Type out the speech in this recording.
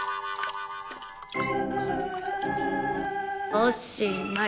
おしまい！